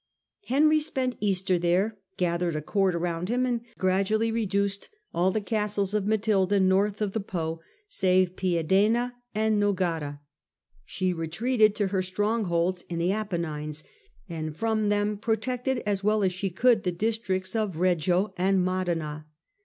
Henry spent Easter there, gathered a court around him, and gradually reduced all the castles of Matilda north of the Po save Piedena and Nogara. She retreated to her strongholds in the Apennines, and from them protected, as well as she could, the districts of Beggio and Modena.